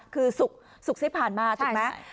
คือศุกร์ที่ผ่านมาถูกไหม